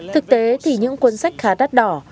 thực tế thì những cuốn sách khá đắt đỏ